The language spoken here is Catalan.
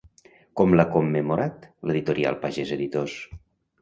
Com l'ha commemorat l'editorial Pagès Editors?